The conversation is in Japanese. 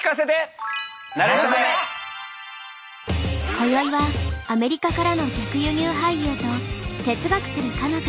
今宵はアメリカからの逆輸入俳優と哲学する彼女。